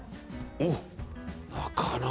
おっ！